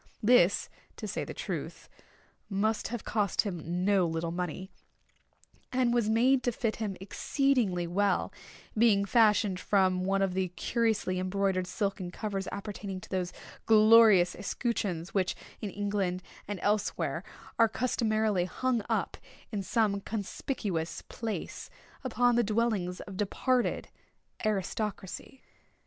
This, to say the truth, must have cost him no little money, and was made to fit him exceedingly well—being fashioned from one of the curiously embroidered silken covers appertaining to those glorious escutcheons which, in England and elsewhere, are customarily hung up, in some conspicuous place, upon the dwellings of departed aristocracy.